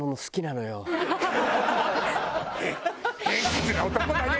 偏屈な男だね！